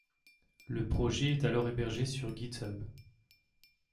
Le projet est alors hebergé sur Github.